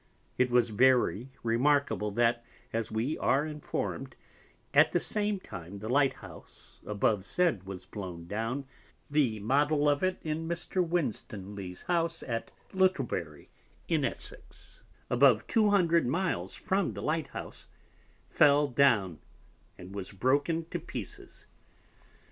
It was very remarkable, that, as we are inform'd, at the same time the Light House abovesaid was blown down, the Model of it in Mr. Windstanly's House at Littlebury in Essex, above 200 Miles from the Light House, fell down, and was broken to pieces.